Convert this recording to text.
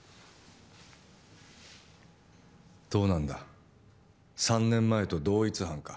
どうなんだ３年前と同一犯か？